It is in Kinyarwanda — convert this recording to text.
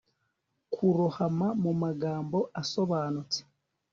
Kurohama mumagambo asobanutse